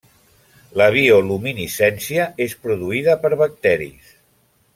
La bioluminescència és produïda per bacteris.